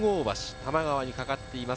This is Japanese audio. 多摩川にかかっています